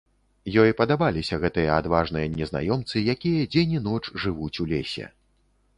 Ёй падабаліся гэтыя адважныя незнаёмцы, якія дзень і ноч жывуць у лесе.